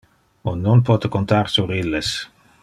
On non pote contar sur illes.